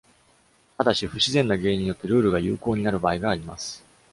ただし、不自然な原因によってルールが有効になる場合があります。